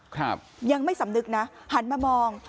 ครับยังไม่สำนึกนะหันมามอง